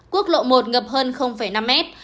quốc lộ một ngập hơn năm mét